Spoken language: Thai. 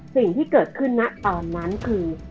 สิ่งที่เกิดขึ้นนะตอนนั้นคือ